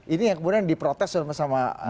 ini yang kemudian di protes sama